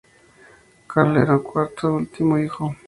Carl era el cuarto y último hijo.